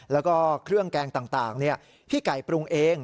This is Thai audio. แล้วก็เครื่องแกงต่างพี่ไก่ปรุงเอง